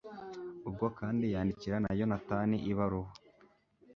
ubwo kandi yandikira na yonatani ibaruwa